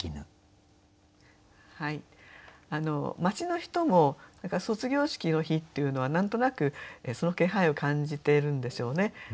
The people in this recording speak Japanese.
街の人も卒業式の日っていうのは何となくその気配を感じているんでしょうね。